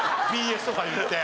ＢＳとか言って。